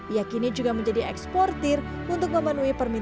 yakini juga menjadi eksportir untuk memenuhi perusahaan